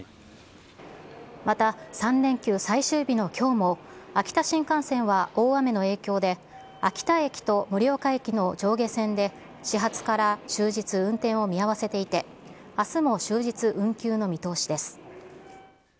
また、３連休最終日のきょうも、秋田新幹線は大雨の影響で秋田駅と盛岡駅の上下線で、始発から終日運転を見合わせていて、あすも終日運休の見通しです。